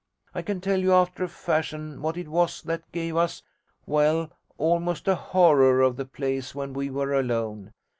I can tell you after a fashion what it was that gave us well, almost a horror of the place when we were alone.